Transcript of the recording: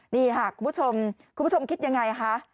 นี่ค่ะคุณผู้ชมคุณผู้ชมคิดยังไงคะ